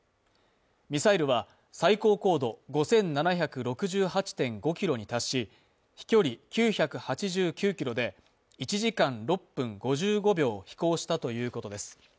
ミサイルは最高高度５７６８．５ｋｍに達し、飛距離９８９ｋｍで１時間６分５５秒飛行したということです。